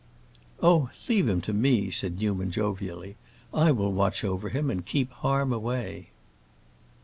"Oh, leave him to me," said Newman, jovially. "I will watch over him and keep harm away."